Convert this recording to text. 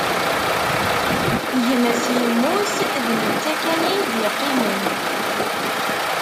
Gma-s immut, d netta kan i yi-d-iqqimen.